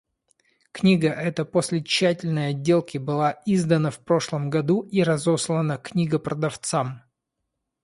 Книга эта после тщательной отделки была издана в прошлом году и разослана книгопродавцам.